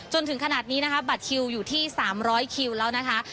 จนถึงขนาดนี้นะคะบัตรคิวอยู่ที่๓๐๐คิวแล้วนะคะ